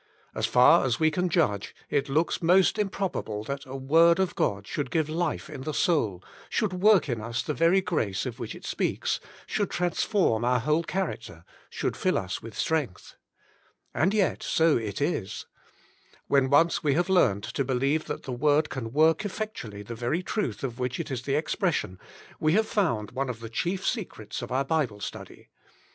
As far as we can judge, it looks most improbable that a Word of God should give life in the soul, should work in us the very grace of which it speaks, should trans form our whole character, should fill us with strength. And yet so it is. When once we have learned to believe that the Word can work effectu 42 The Inner Chamber ally the very truth of which it is the expression; we have found one of the chief secrets of our Bible Study.